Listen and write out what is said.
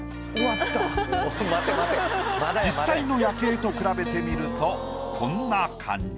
実際の夜景と比べてみるとこんな感じ。